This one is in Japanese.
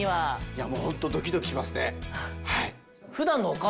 いやもうホントドキドキしますね。